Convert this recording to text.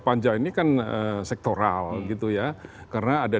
panja ini kan sektoral gitu ya karena ada